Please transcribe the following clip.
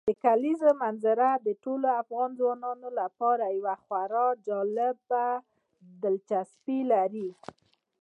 د کلیزو منظره د ټولو افغان ځوانانو لپاره یوه خورا جالب دلچسپي لري.